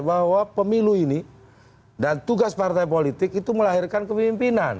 bahwa pemilu ini dan tugas partai politik itu melahirkan kepemimpinan